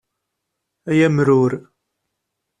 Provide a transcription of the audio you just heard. Ay amrur!